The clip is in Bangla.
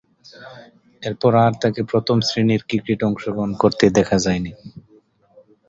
এরপর আর তাকে প্রথম-শ্রেণীর ক্রিকেটে অংশগ্রহণ করতে দেখা যায়নি।